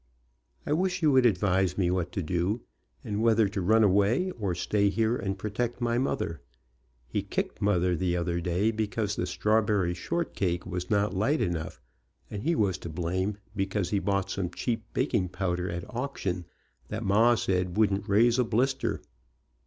I wish you would advise me what to do, and whether to run away or stay here and protect my mother. He kicked mother the other day because the strawberry short cake was not light enough, and he was to blame, be cause he bought some cheap baking powder at auction that ma said wouldn't raise a blister.